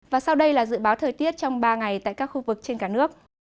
và sau đây là dự báo thời tiết trong ba ngày tại các khu vực trên cả nước